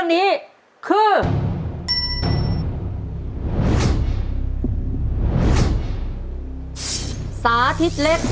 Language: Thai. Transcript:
จิตตะสังวโรครับ